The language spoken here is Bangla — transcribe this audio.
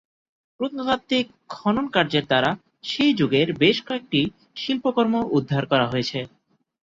প্রত্নতাত্ত্বিক খননকার্যের দ্বারা সেই যুগের বেশ কয়েকটি শিল্পকর্ম উদ্ধার করা হয়েছে।